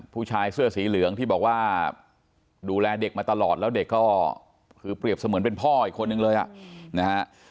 ผู้ชายเสื้อสีเหลืองที่บอกว่าดูแลเด็กมาตลอดแล้วเด็กก็คือเปรียบเสมือนเป็นพ่ออีกคนนึงเลยอ่ะนะฮะ